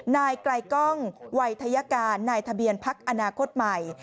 นายไกลกล้องวัยทยการนายทะเบียนพักอนาคตใหม่